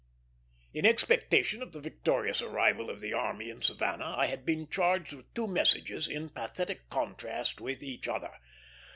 In expectation of the victorious arrival of the army in Savannah, I had been charged with two messages, in pathetic contrast with each other.